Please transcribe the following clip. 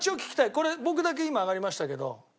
これ僕だけ今上がりましたけど。